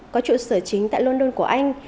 có trụ sở chính tại london của anh